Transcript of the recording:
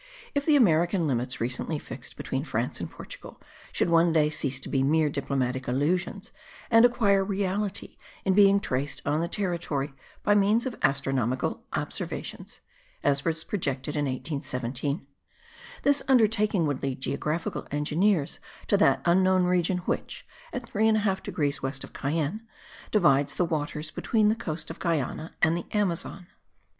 If the American limits recently fixed between France and Portugal should one day cease to be mere diplomatic illusions and acquire reality in being traced on the territory by means of astronomical observations (as was projected in 1817), this undertaking would lead geographical engineers to that unknown region which, at 3 1/2 degrees west of Cayenne, divides the waters between the coast of Guiana and the Amazon.